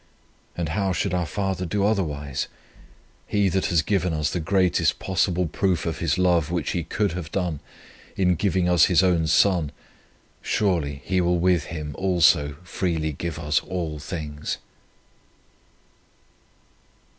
And how should our Father do otherwise? He that has given us the greatest possible proof of His love which He could have done, in giving us His own Son, surely He will with Him also freely give us all things."